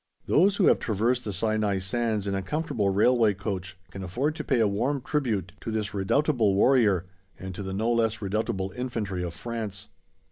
Those who have traversed the Sinai sands in a comfortable railway coach can afford to pay a warm tribute to this redoubtable warrior, and to the no less redoubtable Infantry of France.